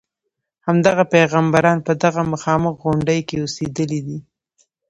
همدغه پیغمبران په دغه مخامخ غونډې کې اوسېدلي دي.